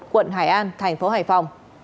quận hải an thành phố hải phòng